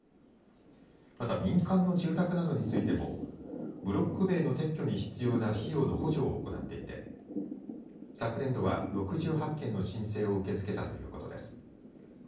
また、民間の住宅などについてもブロック塀の撤去に必要な費用の補助を行っていて昨年度は６８件の申請を受け付けたということです。